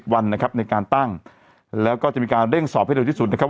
วันนะครับในการตั้งแล้วก็จะมีการเร่งสอบให้เร็วที่สุดนะครับ